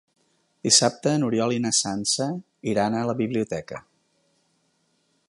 Dissabte n'Oriol i na Sança iran a la biblioteca.